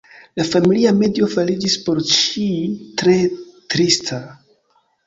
La familia medio fariĝis por ŝi tre trista.